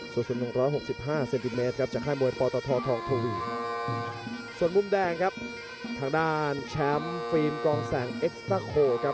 ส่วนมุมแดงครับทางด้านแชมป์ฟิล์มกองแสงเอ็กซ์ตะโคครับ